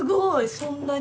そんなに？